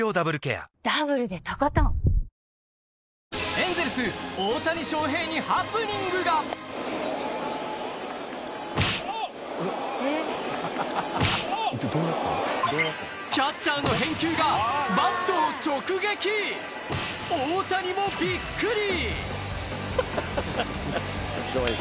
エンゼルス大谷翔平にキャッチャーの返球がバットを直撃大谷もビックリ！